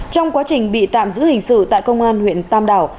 trong quá trình bị tạm giữ hình sự tại công an huyện tam đảo